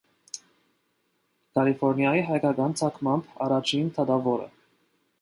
Կալիֆորնիայի հայկական ծագմամբ առաջին դատավորը։